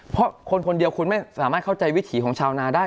เพราะคนคนเดียวคุณไม่สามารถเข้าใจวิถีของชาวนาได้